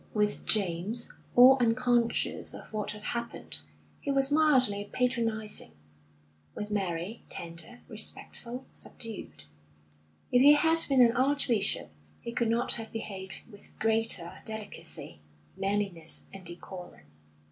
With James, all unconscious of what had happened, he was mildly patronising; with Mary, tender, respectful, subdued. If he had been an archbishop, he could not have behaved with greater delicacy, manliness, and decorum.